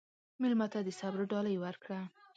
مېلمه ته د صبر ډالۍ ورکړه.